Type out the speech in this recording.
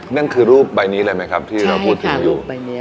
นั่นคือรูปใบนี้เลยไหมครับที่เราพูดถึงอยู่ใช่ค่ะรูปใบนี้